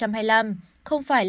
đồng thời là đương kim